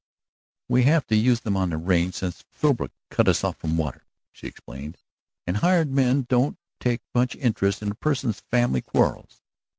"We have to use them on the range since Philbrook cut us off from water," she explained, "and hired men don't take much interest in a person's family quarrels.